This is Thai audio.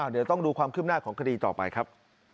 เดี๋ยวต้องดูความคืบหน้าของคดีต่อไปครับ